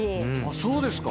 そうですか！